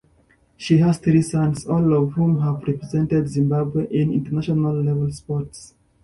She has three sons, all of whom have represented Zimbabwe in international-level sports.